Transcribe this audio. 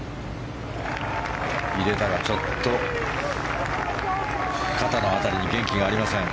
入れたが、ちょっと肩の辺りに元気がありません。